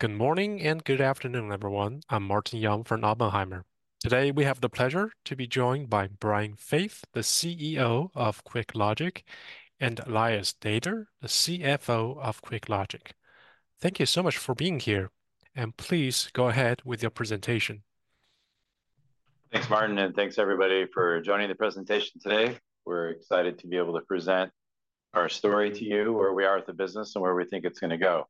Good morning and good afternoon, everyone. I'm Martin Yang from Oppenheimer. Today, we have the pleasure to be joined by Brian Faith, the CEO of QuickLogic, and Elias Nader, the CFO of QuickLogic. Thank you so much for being here, and please go ahead with your presentation. Thanks, Martin, and thanks everybody for joining the presentation today. We're excited to be able to present our story to you, where we are with the business, and where we think it's gonna go.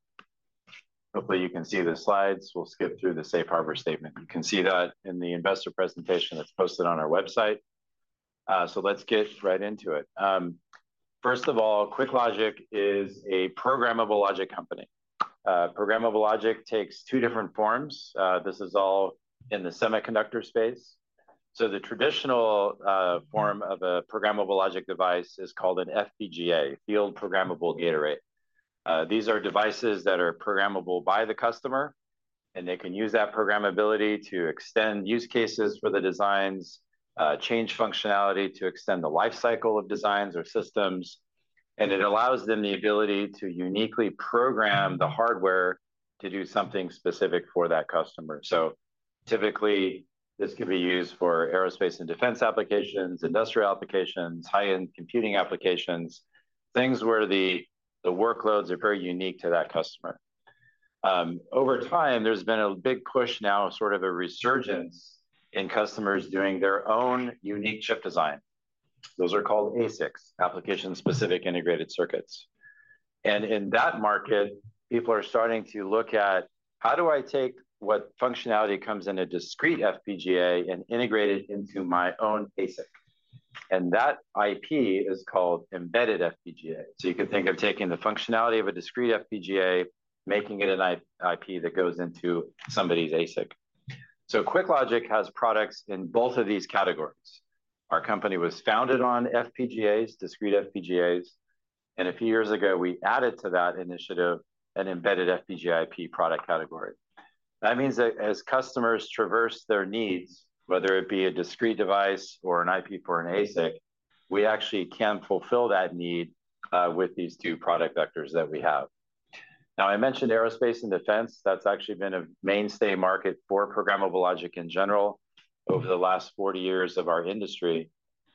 Hopefully, you can see the slides. We'll skip through the safe harbor statement. You can see that in the investor presentation that's posted on our website. So let's get right into it. First of all, QuickLogic is a programmable logic company. Programmable logic takes two different forms. This is all in the semiconductor space. So the traditional form of a programmable logic device is called an FPGA, field programmable gate array. These are devices that are programmable by the customer, and they can use that programmability to extend use cases for the designs, change functionality to extend the life cycle of designs or systems, and it allows them the ability to uniquely program the hardware to do something specific for that customer. So typically, this can be used for aerospace and defense applications, industrial applications, high-end computing applications, things where the workloads are very unique to that customer. Over time, there's been a big push now, sort of a resurgence in customers doing their own unique chip design. Those are called ASICs, application-specific integrated circuits. And in that market, people are starting to look at: how do I take what functionality comes in a discrete FPGA and integrate it into my own ASIC? And that IP is called embedded FPGA. So you can think of taking the functionality of a discrete FPGA, making it an IP that goes into somebody's ASIC. So QuickLogic has products in both of these categories. Our company was founded on FPGAs, discrete FPGAs, and a few years ago, we added to that initiative an embedded FPGA IP product category. That means that as customers traverse their needs, whether it be a discrete device or an IP for an ASIC, we actually can fulfill that need with these two product vectors that we have. Now, I mentioned aerospace and defense. That's actually been a mainstay market for programmable logic in general over the last 40 years of our industry.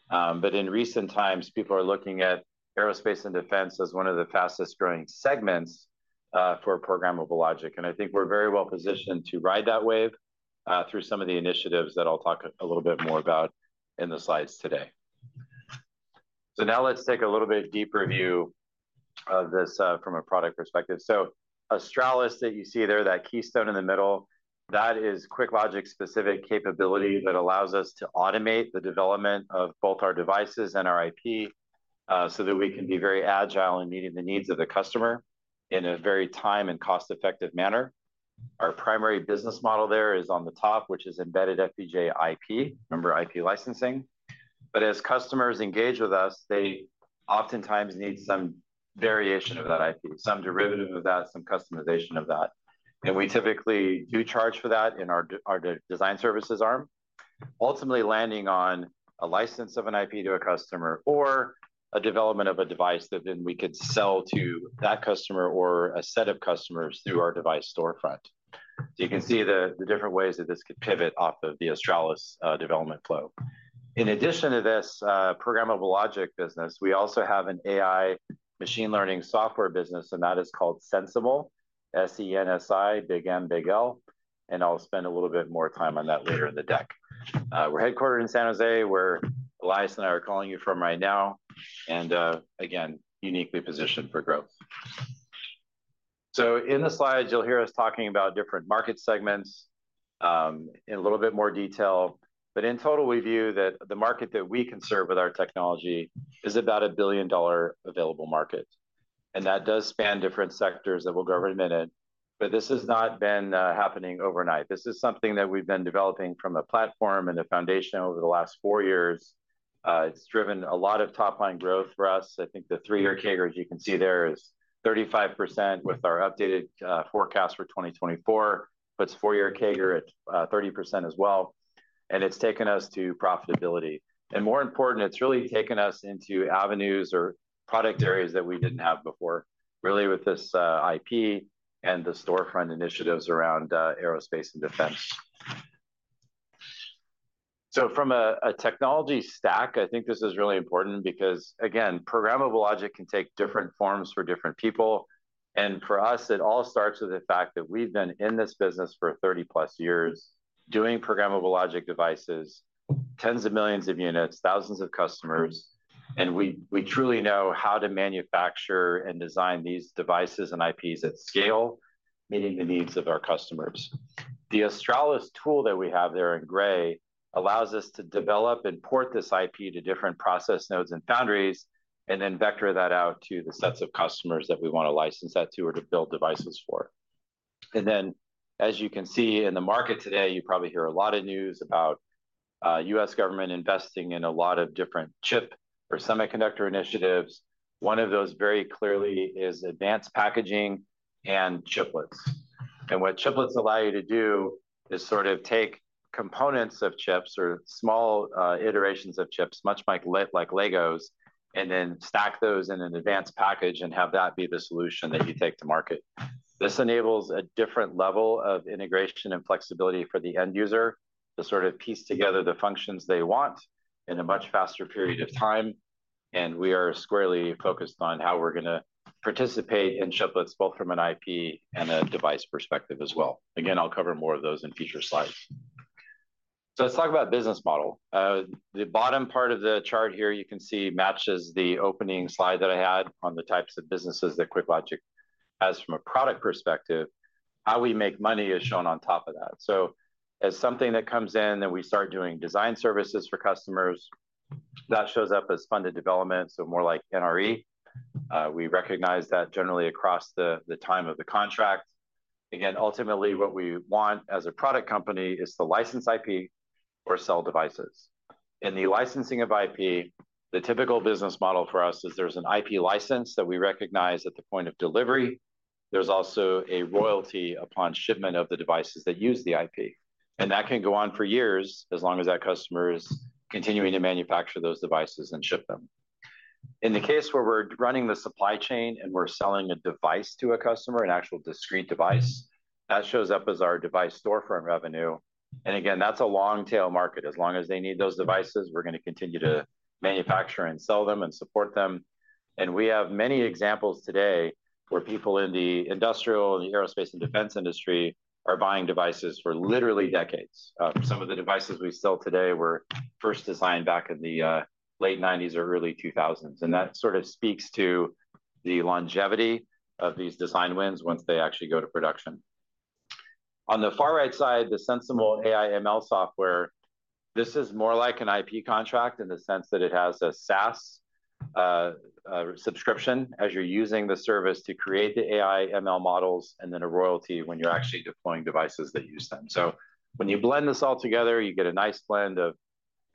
But in recent times, people are looking at aerospace and defense as one of the fastest-growing segments for programmable logic, and I think we're very well-positioned to ride that wave through some of the initiatives that I'll talk a little bit more about in the slides today. So now let's take a little bit deeper view of this from a product perspective. So Australis, that you see there, that keystone in the middle, that is QuickLogic's specific capability that allows us to automate the development of both our devices and our IP so that we can be very agile in meeting the needs of the customer in a very time and cost-effective manner. Our primary business model there is on the top, which is embedded FPGA IP, remember, IP licensing. But as customers engage with us, they oftentimes need some variation of that IP, some derivative of that, some customization of that, and we typically do charge for that in our design services arm, ultimately landing on a license of an IP to a customer or a development of a device that then we could sell to that customer or a set of customers through our device storefront. So you can see the different ways that this could pivot off of the Australis development flow. In addition to this programmable logic business, we also have an AI machine learning software business, and that is called SensiML, S-E-N-S-I-M-L, and I'll spend a little bit more time on that later in the deck. We're headquartered in San Jose, where Elias and I are calling you from right now, and again, uniquely positioned for growth. So in the slides, you'll hear us talking about different market segments in a little bit more detail. But in total, we view that the market that we can serve with our technology is about a billion-dollar available market, and that does span different sectors that we'll go over in a minute. But this has not been happening overnight. This is something that we've been developing from a platform and a foundation over the last four years. It's driven a lot of top-line growth for us. I think the three-year CAGR, as you can see there, is 35% with our updated forecast for 2024. Puts four-year CAGR at 30% as well, and it's taken us to profitability. More important, it's really taken us into avenues or product areas that we didn't have before, really with this IP and the storefront initiatives around aerospace and defense. So from a technology stack, I think this is really important because, again, programmable logic can take different forms for different people. For us, it all starts with the fact that we've been in this business for 30+ years, doing programmable logic devices, tens of millions of units, thousands of customers, and we truly know how to manufacture and design these devices and IPs at scale, meeting the needs of our customers. The Australis tool that we have there in gray allows us to develop and port this IP to different process nodes and foundries, and then vector that out to the sets of customers that we wanna license that to or to build devices for. And then, as you can see in the market today, you probably hear a lot of news about the U.S. government investing in a lot of different chip or semiconductor initiatives. One of those very clearly is advanced packaging and chiplets. And what chiplets allow you to do is sort of take components of chips or small iterations of chips, much like Legos, and then stack those in an advanced package and have that be the solution that you take to market. This enables a different level of integration and flexibility for the end user to sort of piece together the functions they want in a much faster period of time, and we are squarely focused on how we're gonna participate in chiplets, both from an IP and a device perspective as well. Again, I'll cover more of those in future slides. So let's talk about business model. The bottom part of the chart here you can see matches the opening slide that I had on the types of businesses that QuickLogic has from a product perspective. How we make money is shown on top of that. So as something that comes in, then we start doing design services for customers, that shows up as funded development, so more like NRE. We recognize that generally across the time of the contract. Again, ultimately, what we want as a product company is to license IP or sell devices. In the licensing of IP, the typical business model for us is there's an IP license that we recognize at the point of delivery. There's also a royalty upon shipment of the devices that use the IP, and that can go on for years as long as that customer is continuing to manufacture those devices and ship them. In the case where we're running the supply chain and we're selling a device to a customer, an actual discrete device, that shows up as our device storefront revenue, and again, that's a long-tail market. As long as they need those devices, we're gonna continue to manufacture and sell them and support them. We have many examples today where people in the industrial, the aerospace, and defense industry are buying devices for literally decades. Some of the devices we sell today were first designed back in the late 1990s or early 2000s, and that sort of speaks to the longevity of these design wins once they actually go to production. On the far right side, the SensiML AI/ML software, this is more like an IP contract in the sense that it has a SaaS subscription as you're using the service to create the AI/ML models, and then a royalty when you're actually deploying devices that use them. So when you blend this all together, you get a nice blend of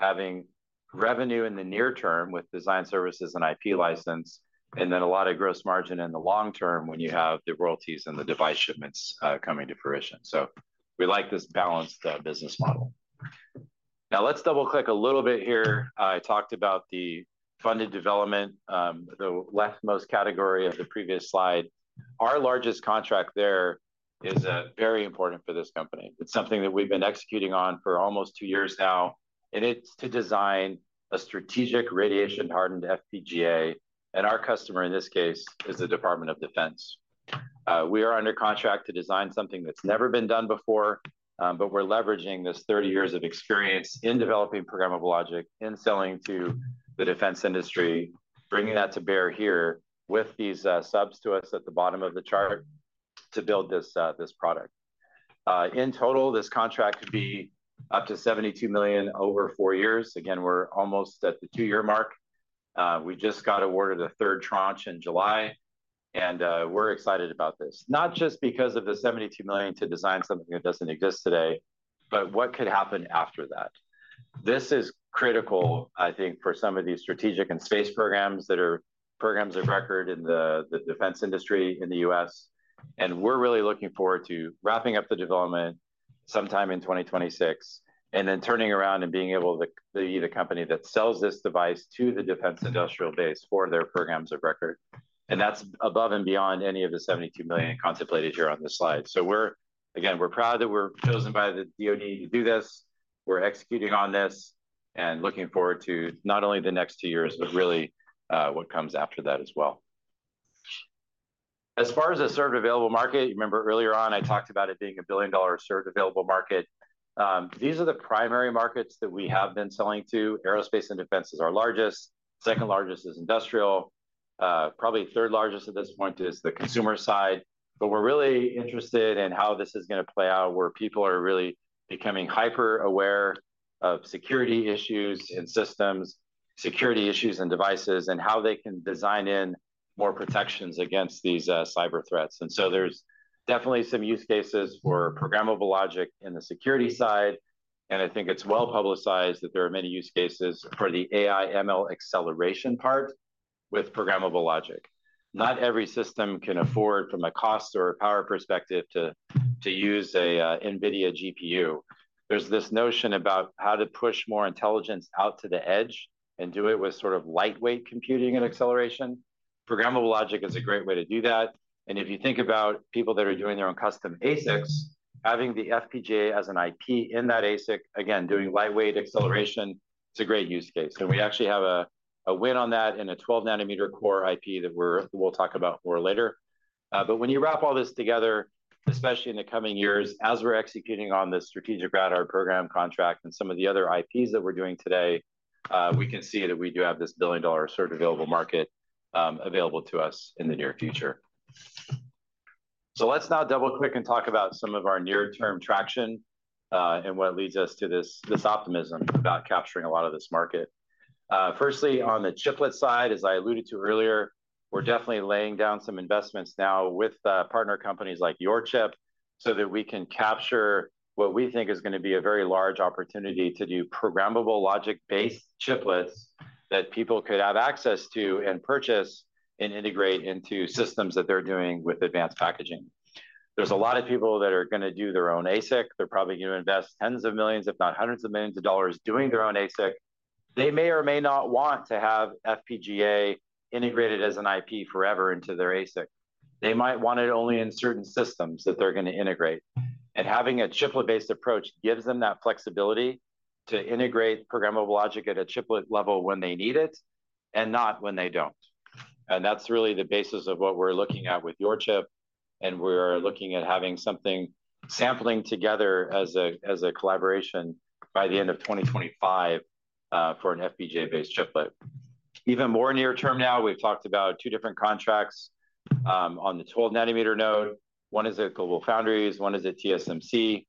having revenue in the near term with design services and IP license, and then a lot of gross margin in the long term when you have the royalties and the device shipments coming to fruition. So we like this balanced business model. Now, let's double-click a little bit here. I talked about the funded development, the leftmost category of the previous slide. Our largest contract there is very important for this company. It's something that we've been executing on for almost 2 years now, and it's to design a strategic radiation-hardened FPGA, and our customer in this case is the Department of Defense. We are under contract to design something that's never been done before, but we're leveraging this 30 years of experience in developing programmable logic and selling to the defense industry, bringing that to bear here with these subs to us at the bottom of the chart to build this product. In total, this contract could be up to $72 million over 4 years. Again, we're almost at the 2-year mark. We just got awarded a third tranche in July, and we're excited about this. Not just because of the $72 million to design something that doesn't exist today, but what could happen after that. This is critical, I think, for some of these strategic and space programs that are programs of record in the, the defense industry in the U.S., and we're really looking forward to wrapping up the development sometime in 2026, and then turning around and being able to be the company that sells this device to the defense industrial base for their programs of record. That's above and beyond any of the $72 million contemplated here on this slide. We're again, we're proud that we're chosen by the DoD to do this. We're executing on this and looking forward to not only the next two years, but really, what comes after that as well. As far as the served available market, you remember earlier on, I talked about it being a billion-dollar served available market. These are the primary markets that we have been selling to. Aerospace and Defense is our largest. Second largest is Industrial. Probably third largest at this point is the Consumer side. But we're really interested in how this is gonna play out, where people are really becoming hyper-aware of security issues in systems, security issues in devices, and how they can design in more protections against these, cyber threats. And so there's definitely some use cases for programmable logic in the security side, and I think it's well-publicized that there are many use cases for the AI/ML acceleration part with programmable logic. Not every system can afford, from a cost or a power perspective, to use a, NVIDIA GPU. There's this notion about how to push more intelligence out to the edge and do it with sort of lightweight computing and acceleration. Programmable logic is a great way to do that, and if you think about people that are doing their own custom ASICs, having the FPGA as an IP in that ASIC, again, doing lightweight acceleration, it's a great use case. So we actually have a win on that in a 12-nanometer core IP that we'll talk about more later. But when you wrap all this together, especially in the coming years, as we're executing on this strategic rad-hard program contract and some of the other IPs that we're doing today, we can see that we do have this billion-dollar served available market, available to us in the near future. So let's now double-click and talk about some of our near-term traction, and what leads us to this optimism about capturing a lot of this market. Firstly, on the chiplet side, as I alluded to earlier, we're definitely laying down some investments now with the partner companies like YorChip, so that we can capture what we think is gonna be a very large opportunity to do programmable logic-based chiplets that people could have access to, and purchase, and integrate into systems that they're doing with advanced packaging. There's a lot of people that are gonna do their own ASIC. They're probably gonna invest $10s of millions, if not $100s of millions of dollars, doing their own ASIC. They may or may not want to have FPGA integrated as an IP forever into their ASIC. They might want it only in certain systems that they're gonna integrate, and having a chiplet-based approach gives them that flexibility to integrate programmable logic at a chiplet level when they need it, and not when they don't. That's really the basis of what we're looking at with YorChip, and we're looking at having something sampling together as a collaboration by the end of 2025 for an FPGA-based chiplet. Even more near-term now, we've talked about two different contracts on the 12-nanometer node. One is at GlobalFoundries, one is at TSMC.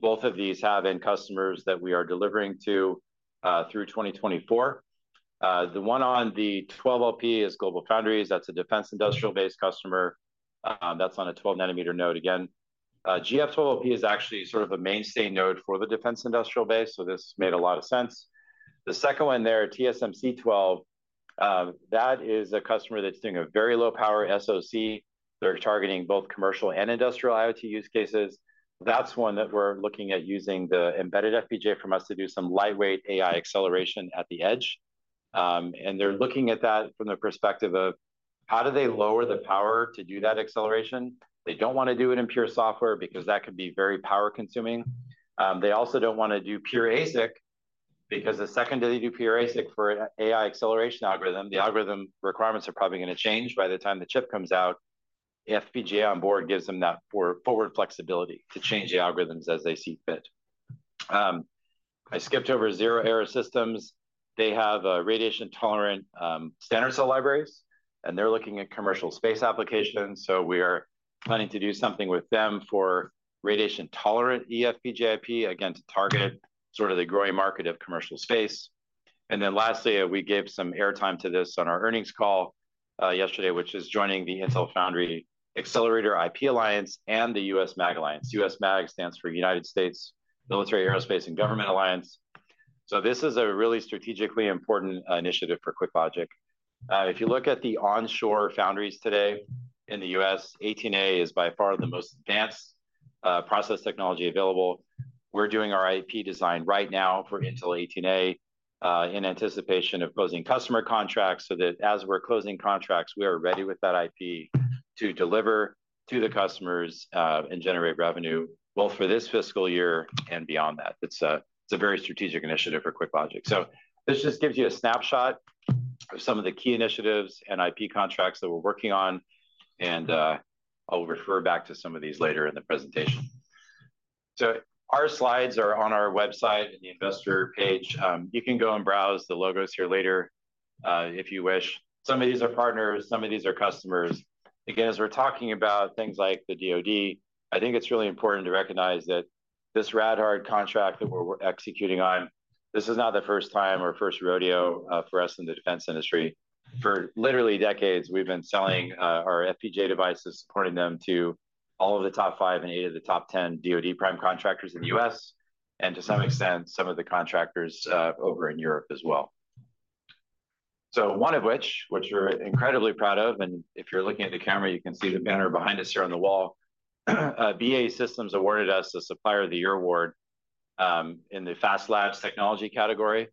Both of these have end customers that we are delivering to through 2024. The one on the 12LP is GlobalFoundries. That's a defense industrial base customer. That's on a 12-nanometer node. Again, GF 12LP is actually sort of a mainstay node for the defense industrial base, so this made a lot of sense. The second one there, TSMC 12, that is a customer that's doing a very low-power SoC. They're targeting both commercial and industrial IoT use cases. That's one that we're looking at using the embedded FPGA from us to do some lightweight AI acceleration at the edge. And they're looking at that from the perspective of: how do they lower the power to do that acceleration? They don't wanna do it in pure software because that can be very power-consuming. They also don't wanna do pure ASIC, because the second that they do pure ASIC for a AI acceleration algorithm, the algorithm requirements are probably gonna change by the time the chip comes out. The FPGA on board gives them that forward flexibility to change the algorithms as they see fit. I skipped over Zero-Error Systems. They have a radiation-tolerant, standard cell libraries, and they're looking at commercial space applications, so we're planning to do something with them for radiation-tolerant eFPGA IP, again, to target sort of the growing market of commercial space. And then lastly, we gave some airtime to this on our earnings call, yesterday, which is joining the Intel Foundry Accelerator IP Alliance and the USMAG Alliance. USMAG stands for United States Military Aerospace and Government Alliance. So this is a really strategically important, initiative for QuickLogic. If you look at the onshore foundries today in the U.S., 18A is by far the most advanced, process technology available. We're doing our IP design right now for Intel 18A, in anticipation of closing customer contracts, so that as we're closing contracts, we are ready with that IP to deliver to the customers, and generate revenue, both for this fiscal year and beyond that. It's a, it's a very strategic initiative for QuickLogic. So this just gives you a snapshot of some of the key initiatives and IP contracts that we're working on, and, I'll refer back to some of these later in the presentation. So our slides are on our website in the investor page. You can go and browse the logos here later, if you wish. Some of these are partners, some of these are customers. Again, as we're talking about things like the DoD, I think it's really important to recognize that this rad-hard contract that we're executing on, this is not the first time or first rodeo for us in the defense industry. For literally decades, we've been selling our FPGA devices, supporting them to all of the top 5 and 8 of the top 10 DoD prime contractors in the U.S., and to some extent, some of the contractors over in Europe as well. So one of which, which we're incredibly proud of, and if you're looking at the camera, you can see the banner behind us here on the wall, BAE Systems awarded us the Supplier of the Year Award in the FAST Labs technology category.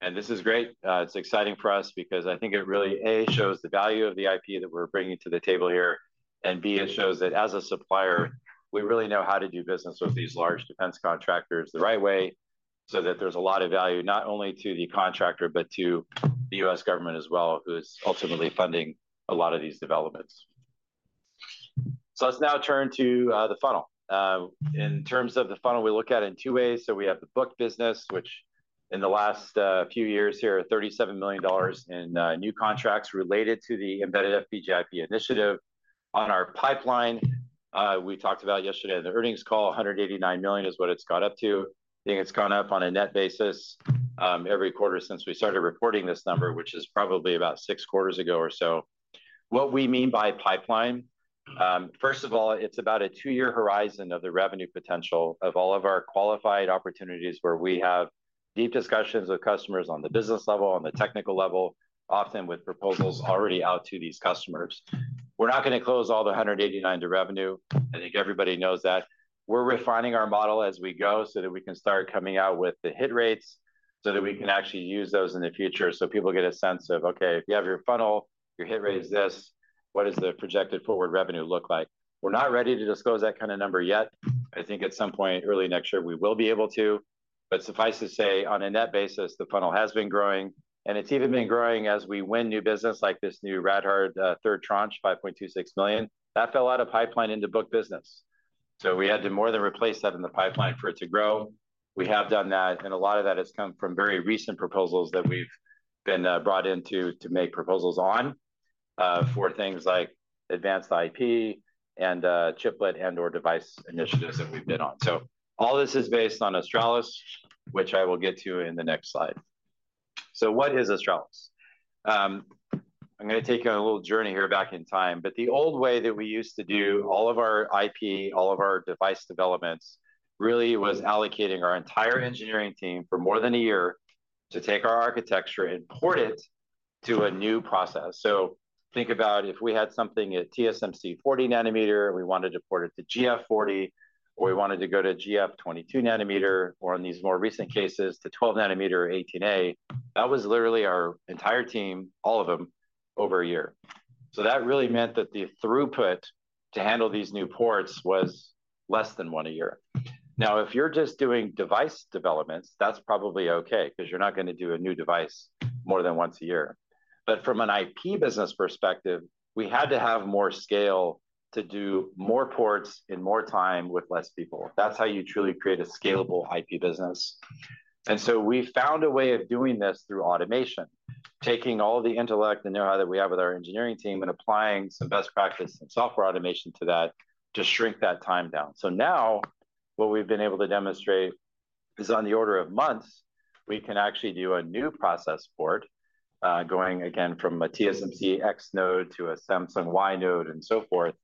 And this is great. It's exciting for us because I think it really, A, shows the value of the IP that we're bringing to the table here, and, B, it shows that as a supplier, we really know how to do business with these large defense contractors the right way, so that there's a lot of value, not only to the contractor, but to the U.S. government as well, who is ultimately funding a lot of these developments. So let's now turn to the funnel. In terms of the funnel, we look at it in two ways. So we have the book business, which in the last few years here, $37 million in new contracts related to the embedded FPGA IP initiative. On our pipeline, we talked about yesterday, the earnings call, $189 million is what it's got up to. I think it's gone up on a net basis, every quarter since we started reporting this number, which is probably about six quarters ago or so. What we mean by pipeline, first of all, it's about a two-year horizon of the revenue potential of all of our qualified opportunities, where we have deep discussions with customers on the business level, on the technical level, often with proposals already out to these customers. We're not gonna close all the 189 to revenue. I think everybody knows that. We're refining our model as we go so that we can start coming out with the hit rates, so that we can actually use those in the future, so people get a sense of, okay, if you have your funnel, your hit rate is this, what does the projected forward revenue look like? We're not ready to disclose that kind of number yet. I think at some point early next year we will be able to, but suffice to say, on a net basis, the funnel has been growing, and it's even been growing as we win new business, like this new rad-hard third tranche, $5.26 million. That fell out of pipeline into book business, so we had to more than replace that in the pipeline for it to grow. We have done that, and a lot of that has come from very recent proposals that we've been brought in to make proposals on for things like advanced IP and chiplet and/or device initiatives that we've been on. So all this is based on Australis, which I will get to in the next slide. So what is Australis? I'm gonna take you on a little journey here back in time, but the old way that we used to do all of our IP, all of our device developments, really was allocating our entire engineering team for more than a year to take our architecture and port it to a new process. So think about if we had something at TSMC 40 nanometer and we wanted to port it to GF 40, or we wanted to go to GF 22 nanometer, or in these more recent cases, to 12 nanometer 18A, that was literally our entire team, all of them, over a year. So that really meant that the throughput to handle these new ports was less than one a year. Now, if you're just doing device developments, that's probably okay, 'cause you're not gonna do a new device more than once a year. But from an IP business perspective, we had to have more scale to do more ports in more time with less people. That's how you truly create a scalable IP business. And so we found a way of doing this through automation, taking all the intellect and know-how that we have with our engineering team and applying some best practice and software automation to that to shrink that time down. So now, what we've been able to demonstrate is on the order of months, we can actually do a new process port, going again from a TSMC X node to a Samsung Y node and so forth,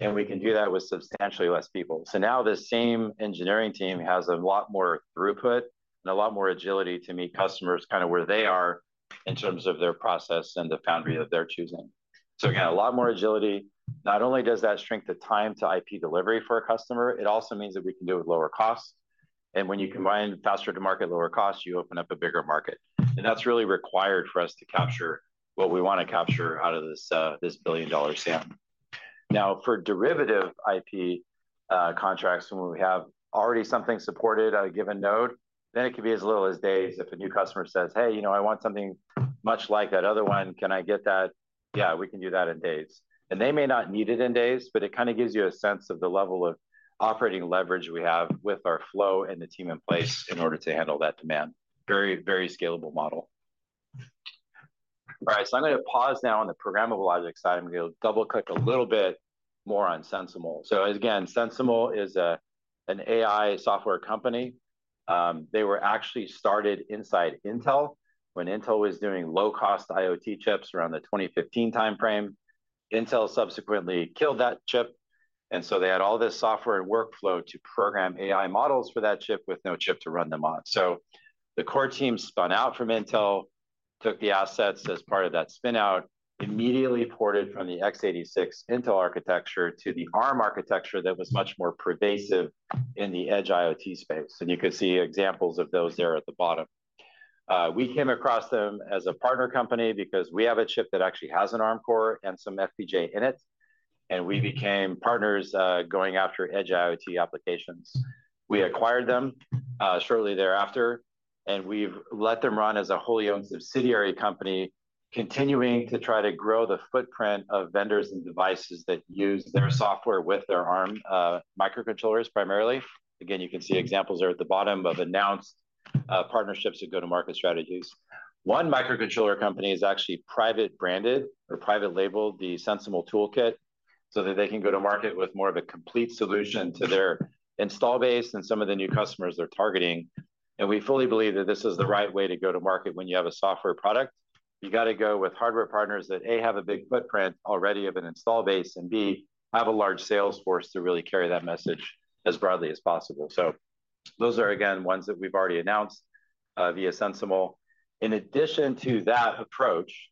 and we can do that with substantially less people. So now the same engineering team has a lot more throughput and a lot more agility to meet customers kind of where they are in terms of their process and the foundry that they're choosing. So again, a lot more agility. Not only does that shrink the time to IP delivery for a customer, it also means that we can do it with lower cost, and when you combine faster to market, lower cost, you open up a bigger market, and that's really required for us to capture what we wanna capture out of this, this billion-dollar SAM. Now, for derivative IP, contracts, when we have already something supported on a given node, then it can be as little as days. If a new customer says, "Hey, you know, I want something much like that other one, can I get that?" Yeah, we can do that in days. And they may not need it in days, but it kind of gives you a sense of the level of operating leverage we have with our flow and the team in place in order to handle that demand. Very, very scalable model. All right, so I'm gonna pause now on the programmable logic side, and we'll double-click a little bit more on SensiML. So again, SensiML is an AI software company. They were actually started inside Intel when Intel was doing low-cost IoT chips around the 2015 timeframe. Intel subsequently killed that chip, and so they had all this software and workflow to program AI models for that chip with no chip to run them on. So the core team spun out from Intel, took the assets as part of that spin-out, immediately ported from the x86 Intel architecture to the Arm architecture that was much more pervasive in the edge IoT space, and you can see examples of those there at the bottom. We came across them as a partner company because we have a chip that actually has an Arm core and some FPGA in it, and we became partners, going after edge IoT applications. We acquired them, shortly thereafter, and we've let them run as a wholly-owned subsidiary company, continuing to try to grow the footprint of vendors and devices that use their software with their Arm, microcontrollers, primarily. Again, you can see examples there at the bottom of announced, partnerships and go-to-market strategies. One microcontroller company has actually private branded or private labeled the SensiML Toolkit so that they can go to market with more of a complete solution to their install base and some of the new customers they're targeting, and we fully believe that this is the right way to go to market when you have a software product. You gotta go with hardware partners that, A, have a big footprint already of an install base, and B, have a large sales force to really carry that message as broadly as possible. So those are, again, ones that we've already announced via SensiML. In addition to that approach,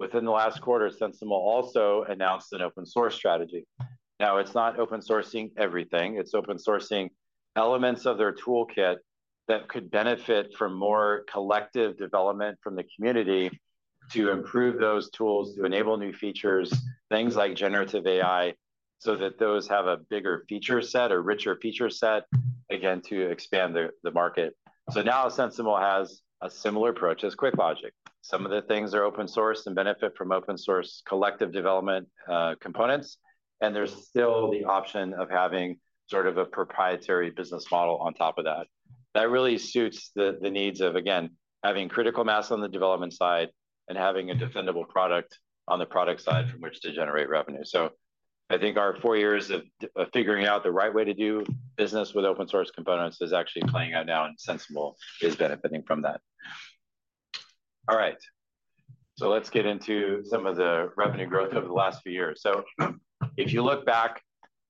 within the last quarter, SensiML also announced an open-source strategy. Now, it's not open-sourcing everything, it's open-sourcing elements of their toolkit that could benefit from more collective development from the community to improve those tools, to enable new features, things like generative AI, so that those have a bigger feature set or richer feature set, again, to expand the, the market. So now SensiML has a similar approach as QuickLogic. Some of the things are open source and benefit from open-source collective development, components, and there's still the option of having sort of a proprietary business model on top of that. That really suits the, the needs of, again, having critical mass on the development side and having a defendable product on the product side from which to generate revenue. So I think our four years of figuring out the right way to do business with open-source components is actually playing out now, and SensiML is benefiting from that. All right, so let's get into some of the revenue growth over the last few years. So if you look back,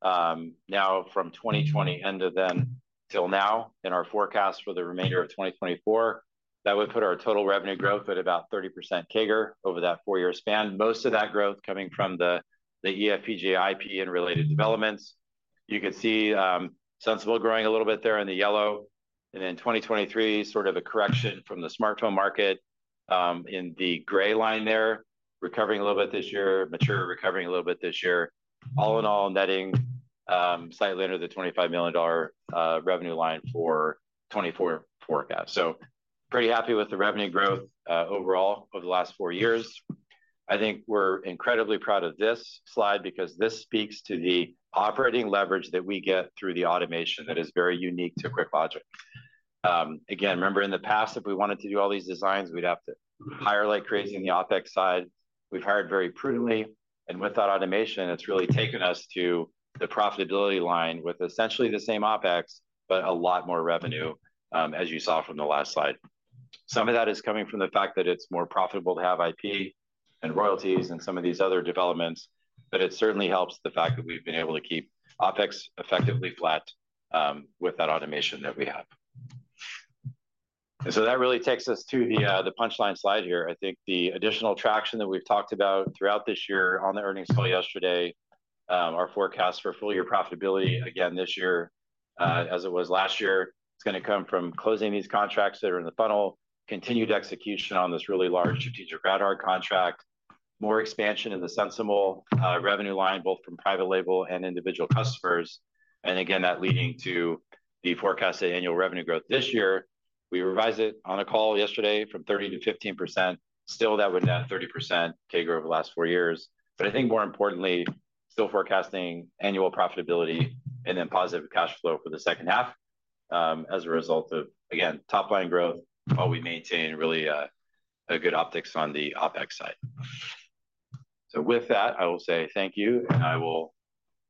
now from 2020, end of then till now, in our forecast for the remainder of 2024, that would put our total revenue growth at about 30% CAGR over that four-year span. Most of that growth coming from the eFPGA IP and related developments. You can see, SensiML growing a little bit there in the yellow, and then 2023, sort of a correction from the smartphone market, in the gray line there, recovering a little bit this year, mature, recovering a little bit this year. All in all, netting slightly under the $25 million revenue line for 2024 forecast. So pretty happy with the revenue growth overall over the last four years. I think we're incredibly proud of this slide because this speaks to the operating leverage that we get through the automation that is very unique to QuickLogic. Again, remember in the past, if we wanted to do all these designs, we'd have to hire like crazy in the OpEx side. We've hired very prudently, and with that automation, it's really taken us to the profitability line with essentially the same OpEx, but a lot more revenue, as you saw from the last slide. Some of that is coming from the fact that it's more profitable to have IP, and royalties, and some of these other developments, but it certainly helps the fact that we've been able to keep OpEx effectively flat with that automation that we have. And so that really takes us to the punchline slide here. I think the additional traction that we've talked about throughout this year on the earnings call yesterday, still forecasting annual profitability and then positive cash flow for the second half, as a result of, again, top line growth, while we maintain really, a good optics on the OpEx side. So with that, I will say thank you, and I will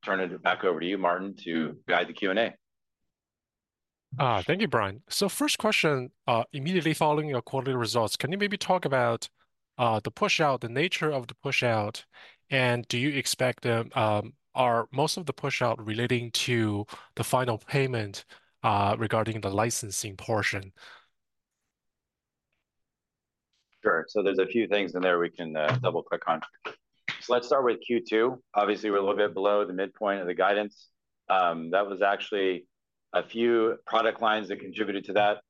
turn it back over to you, Martin, to guide the Q&A. Thank you, Brian. So first question, immediately following your quarterly results, can you maybe talk about the push-out, the nature of the push-out, and do you expect the... Are most of the push-out relating to the final payment regarding the licensing portion?... Sure. So there's a few things in there we can double-click on. So let's start with Q2. Obviously, we're a little bit below the midpoint of the guidance. That was actually a few product lines that contributed to that. A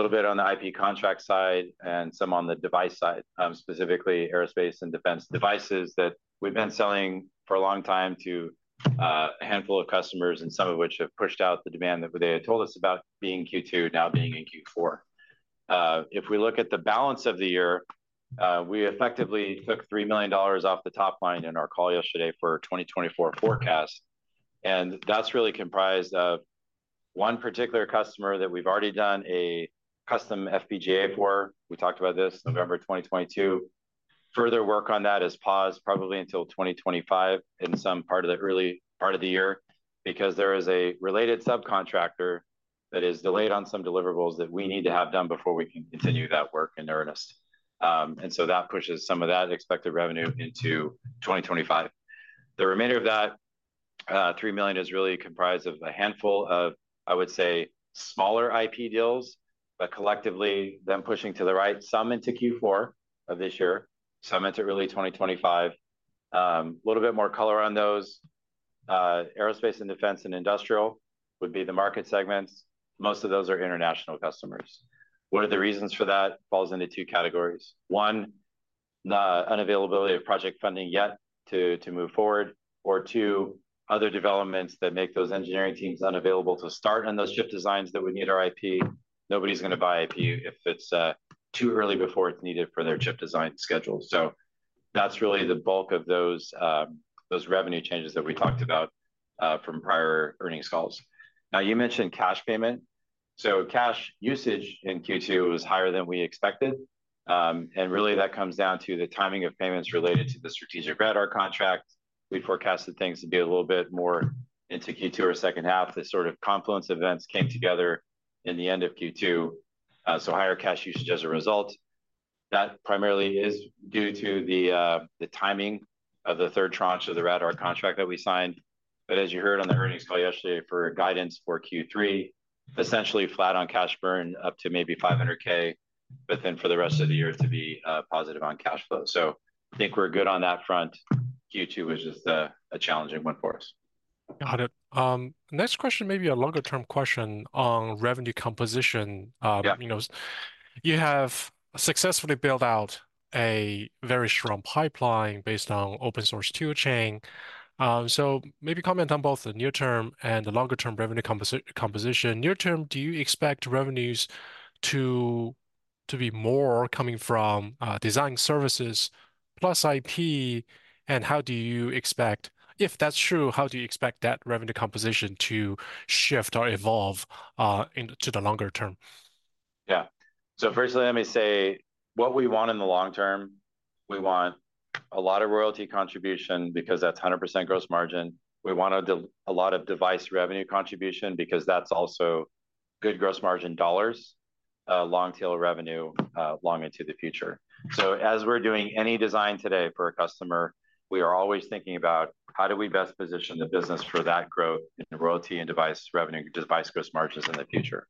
little bit on the IP contract side and some on the device side, specifically aerospace and defense devices that we've been selling for a long time to a handful of customers, and some of which have pushed out the demand that they had told us about being Q2, now being in Q4. If we look at the balance of the year, we effectively took $3 million off the top line in our call yesterday for 2024 forecast, and that's really comprised of one particular customer that we've already done a custom FPGA for. We talked about this November 2022. Further work on that is paused probably until 2025, in some part of the early part of the year, because there is a related subcontractor that is delayed on some deliverables that we need to have done before we can continue that work in earnest. And so that pushes some of that expected revenue into 2025. The remainder of that, $3 million is really comprised of a handful of, I would say, smaller IP deals, but collectively, them pushing to the right, some into Q4 of this year, some into really 2025. A little bit more color on those, aerospace and defense and industrial would be the market segments. Most of those are international customers. One of the reasons for that falls into two categories: one, the unavailability of project funding yet to move forward, or two, other developments that make those engineering teams unavailable to start on those chip designs that would need our IP. Nobody's gonna buy IP if it's too early before it's needed for their chip design schedule. So that's really the bulk of those revenue changes that we talked about from prior earnings calls. Now, you mentioned cash payment. So cash usage in Q2 was higher than we expected, and really, that comes down to the timing of payments related to the strategic rad-hard contract. We forecasted things to be a little bit more into Q2 or second half. The sort of confluence events came together in the end of Q2, so higher cash usage as a result. That primarily is due to the timing of the third tranche of the rad-hard contract that we signed. But as you heard on the earnings call yesterday for guidance for Q3, essentially flat on cash burn, up to maybe $500,000, but then for the rest of the year to be positive on cash flow. So I think we're good on that front. Q2 was just a challenging one for us. Got it. Next question, maybe a longer-term question on revenue composition. Yeah. You know, you have successfully built out a very strong pipeline based on open source tool chain. So maybe comment on both the near-term and the longer-term revenue composition. Near term, do you expect revenues to be more coming from design services plus IP? And how do you expect—If that's true, how do you expect that revenue composition to shift or evolve into the longer term? Yeah. So firstly, let me say, what we want in the long term, we want a lot of royalty contribution because that's 100% gross margin. We want a lot of device revenue contribution because that's also good gross margin dollars, long tail revenue, long into the future. So as we're doing any design today for a customer, we are always thinking about: how do we best position the business for that growth in royalty and device revenue, device gross margins in the future?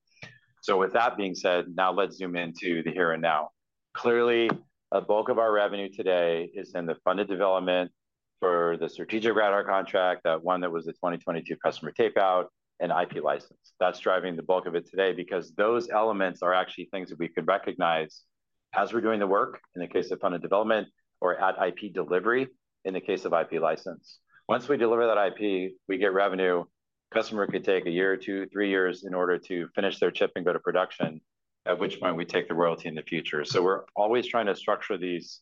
So with that being said, now let's zoom in to the here and now. Clearly, a bulk of our revenue today is in the funded development for the strategic rad-hard contract, that one that was the 2022 customer tape-out and IP license. That's driving the bulk of it today because those elements are actually things that we could recognize as we're doing the work, in the case of funded development, or at IP delivery, in the case of IP license. Once we deliver that IP, we get revenue. Customer could take a year or two, three years in order to finish their chip and go to production, at which point we take the royalty in the future. So we're always trying to structure these,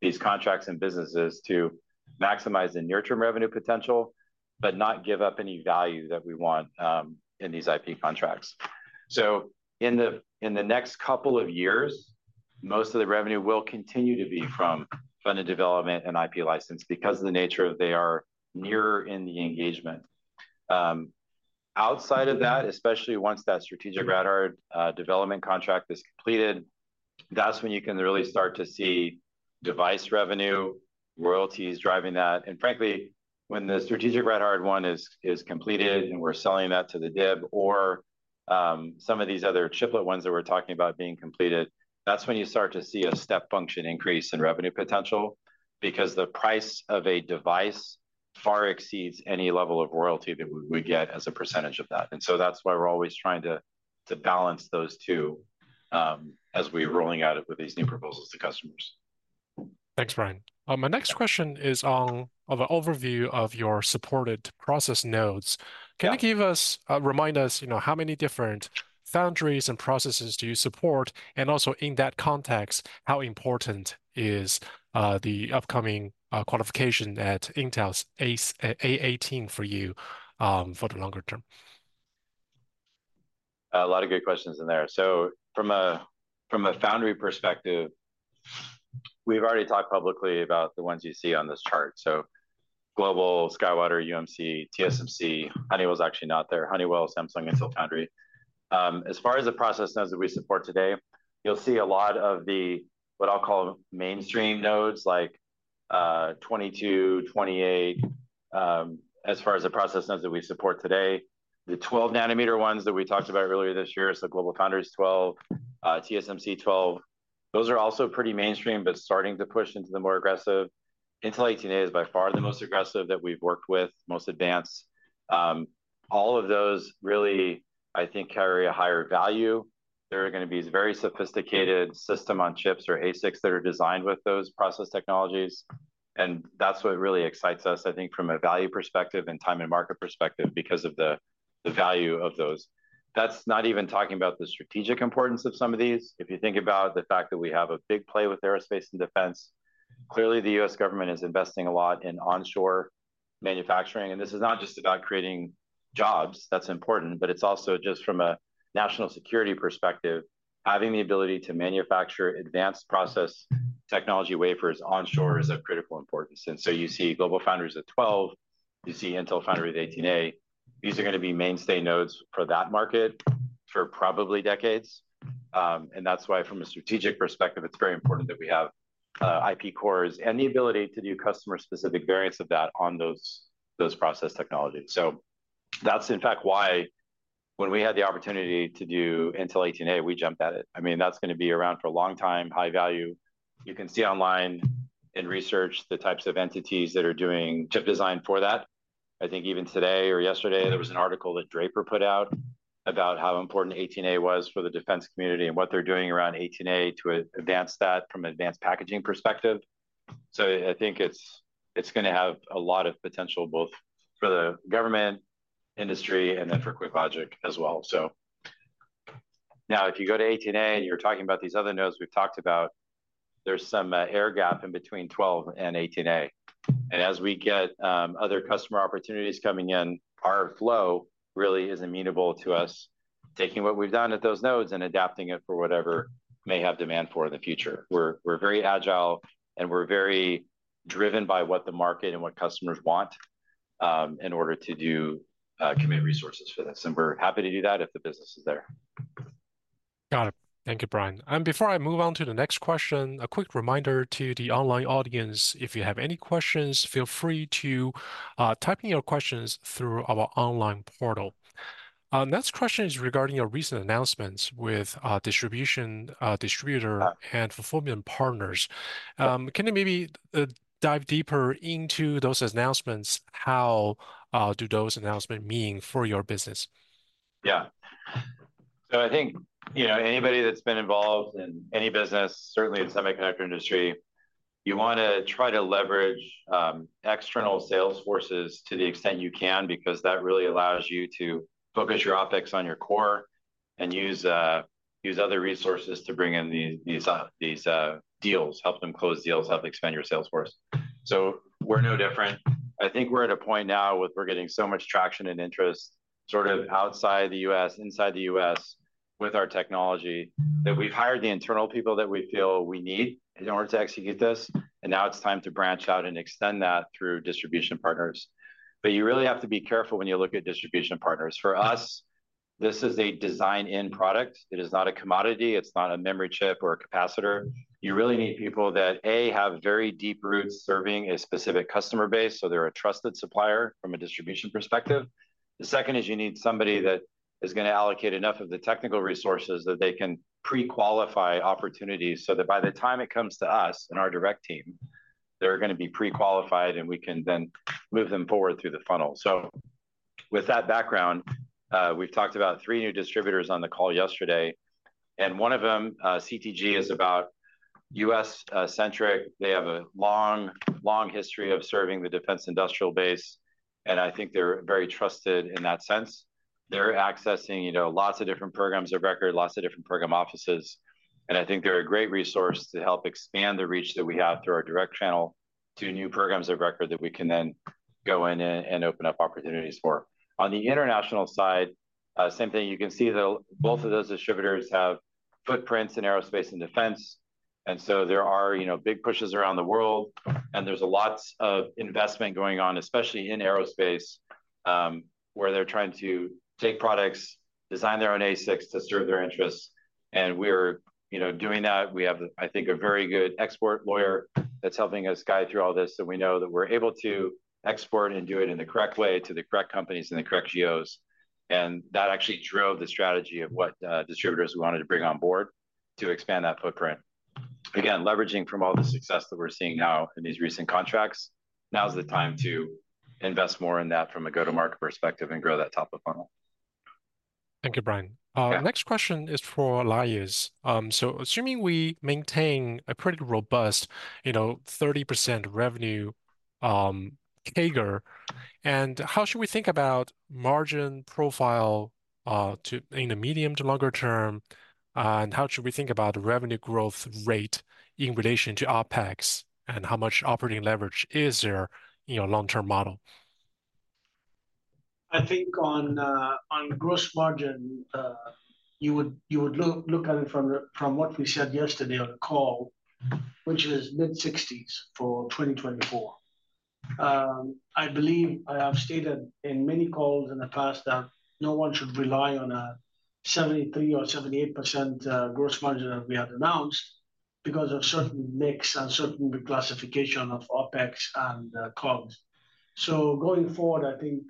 these contracts and businesses to maximize the near-term revenue potential, but not give up any value that we want, in these IP contracts. So in the, in the next couple of years, most of the revenue will continue to be from funded development and IP license because of the nature they are nearer in the engagement. Outside of that, especially once that strategic rad-hard development contract is completed, that's when you can really start to see device revenue, royalties driving that. And frankly, when the strategic rad-hard one is completed, and we're selling that to the DIB or some of these other chiplet ones that we're talking about being completed, that's when you start to see a step function increase in revenue potential, because the price of a device far exceeds any level of royalty that we get as a percentage of that. And so that's why we're always trying to balance those two as we're rolling out with these new proposals to customers. Thanks, Brian. My next question is on an overview of your supported process nodes. Yeah. Can you give us, remind us, you know, how many different foundries and processes do you support? And also, in that context, how important is, the upcoming, qualification at Intel's 18A for you, for the longer term? A lot of great questions in there. So from a foundry perspective, we've already talked publicly about the ones you see on this chart. So GlobalFoundries, SkyWater, UMC, TSMC, Honeywell is actually not there. Honeywell, Samsung, Intel Foundry. As far as the process nodes that we support today, you'll see a lot of the, what I'll call mainstream nodes, like 22, 28. The 12-nanometer ones that we talked about earlier this year, so GlobalFoundries 12, TSMC 12, those are also pretty mainstream, but starting to push into the more aggressive. Intel 18A is by far the most aggressive that we've worked with, most advanced. All of those really, I think, carry a higher value. There are gonna be this very sophisticated system on chips or ASICs that are designed with those process technologies, and that's what really excites us, I think, from a value perspective and time and market perspective, because of the, the value of those. That's not even talking about the strategic importance of some of these. If you think about the fact that we have a big play with aerospace and defense, clearly the U.S. government is investing a lot in onshore manufacturing, and this is not just about creating jobs. That's important, but it's also just from a national security perspective, having the ability to manufacture advanced process technology wafers onshore is of critical importance. And so you see GlobalFoundries at 12, you see Intel Foundry at 18A. These are gonna be mainstay nodes for that market for probably decades. That's why, from a strategic perspective, it's very important that we have IP cores and the ability to do customer-specific variants of that on those process technologies. So that's in fact why when we had the opportunity to do Intel 18A, we jumped at it. I mean, that's gonna be around for a long time, high value. You can see online in research the types of entities that are doing chip design for that. I think even today or yesterday, there was an article that Draper put out about how important 18A was for the defense community and what they're doing around 18A to advance that from an advanced packaging perspective. So I think it's gonna have a lot of potential, both for the government, industry, and then for QuickLogic as well. Now, if you go to 18A and you're talking about these other nodes we've talked about, there's some air gap in between 12 and 18A. As we get other customer opportunities coming in, our flow really is important to us, taking what we've done at those nodes and adapting it for whatever may have demand for in the future. We're very agile, and we're very driven by what the market and what customers want, in order to commit resources for this, and we're happy to do that if the business is there. Got it. Thank you, Brian. And before I move on to the next question, a quick reminder to the online audience, if you have any questions, feel free to type in your questions through our online portal. Next question is regarding your recent announcements with distribution, distributor and fulfillment partners. Can you maybe dive deeper into those announcements? How do those announcement mean for your business? Yeah. So I think, you know, anybody that's been involved in any business, certainly in the semiconductor industry, you wanna try to leverage external sales forces to the extent you can, because that really allows you to focus your OpEx on your core and use other resources to bring in these deals, help them close deals, help expand your sales force. So we're no different. I think we're at a point now where we're getting so much traction and interest, sort of outside the U.S., inside the U.S., with our technology, that we've hired the internal people that we feel we need in order to execute this, and now it's time to branch out and extend that through distribution partners. But you really have to be careful when you look at distribution partners. For us, this is a design-in product. It is not a commodity, it's not a memory chip or a capacitor. You really need people that, A, have very deep roots serving a specific customer base, so they're a trusted supplier from a distribution perspective. The second is you need somebody that is gonna allocate enough of the technical resources that they can pre-qualify opportunities, so that by the time it comes to us and our direct team, they're gonna be pre-qualified, and we can then move them forward through the funnel. So with that background, we've talked about three new distributors on the call yesterday, and one of them, CTG, is about U.S. centric. They have a long, long history of serving the defense industrial base, and I think they're very trusted in that sense. They're accessing, you know, lots of different programs of record, lots of different program offices, and I think they're a great resource to help expand the reach that we have through our direct channel to new programs of record that we can then go in and open up opportunities for. On the international side, same thing. You can see that both of those distributors have footprints in aerospace and defense, and so there are, you know, big pushes around the world, and there's lots of investment going on, especially in aerospace, where they're trying to take products, design their own ASICs to serve their interests, and we're, you know, doing that. We have, I think, a very good export lawyer that's helping us guide through all this, and we know that we're able to export and do it in the correct way to the correct companies in the correct geos, and that actually drove the strategy of what distributors we wanted to bring on board to expand that footprint. Again, leveraging from all the success that we're seeing now in these recent contracts, now is the time to invest more in that from a go-to-market perspective and grow that top of funnel. Thank you, Brian. Yeah. Next question is for Elias. So assuming we maintain a pretty robust, you know, 30% revenue CAGR, and how should we think about margin profile in the medium to longer term, and how should we think about revenue growth rate in relation to OpEx, and how much operating leverage is there in your long-term model? I think on gross margin, you would look at it from what we said yesterday on the call, which is mid-60s% for 2024. I believe I have stated in many calls in the past that no one should rely on a 73% or 78% gross margin that we had announced because of certain mix and certain reclassification of OpEx and COGS. So going forward, I think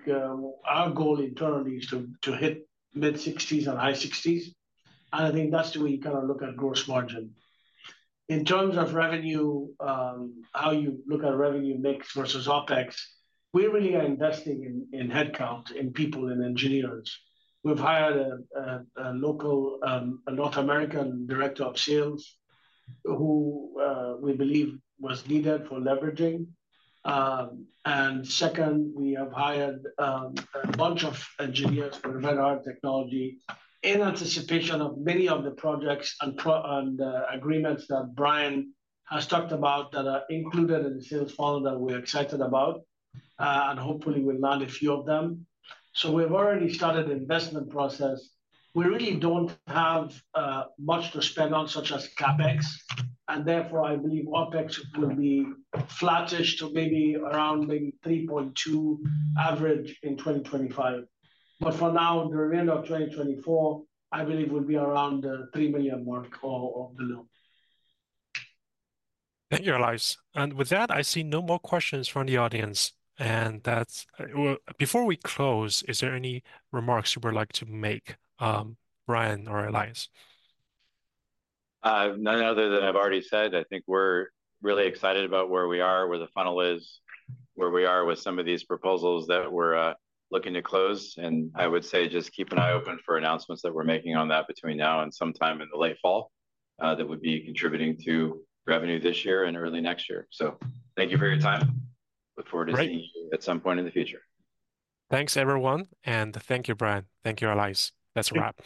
our goal internally is to hit mid-60s% and high 60s%, and I think that's the way you kind of look at gross margin. In terms of revenue, how you look at revenue mix versus OpEx, we really are investing in headcount, in people, in engineers. We've hired a local North American director of sales, who we believe was needed for leveraging. And second, we have hired a bunch of engineers for rad-hard technology in anticipation of many of the projects and agreements that Brian has talked about that are included in the sales funnel that we're excited about, and hopefully we'll land a few of them. So we've already started the investment process. We really don't have much to spend on, such as CapEx, and therefore, I believe OpEx will be flattish to maybe around 3.2 average in 2025. But for now, the remainder of 2024, I believe will be around the $3 million mark or below. Thank you, Elias. And with that, I see no more questions from the audience, and that's... Well, before we close, is there any remarks you would like to make, Brian or Elias? None other than I've already said. I think we're really excited about where we are, where the funnel is, where we are with some of these proposals that we're looking to close. And I would say just keep an eye open for announcements that we're making on that between now and sometime in the late fall, that would be contributing to revenue this year and early next year. So thank you for your time. Look forward to seeing you- Great... at some point in the future. Thanks, everyone, and thank you, Brian. Thank you, Elias. That's a wrap.